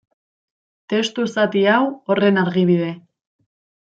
Testu zati hau horren argibide.